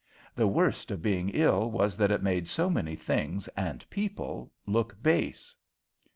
The worst of being ill was that it made so many things and people look base.